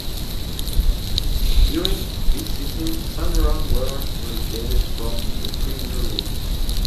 During this season Sunderland were relegated from the Premier League.